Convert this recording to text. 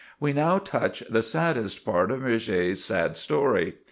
We now touch the saddest part of Murger's sad story.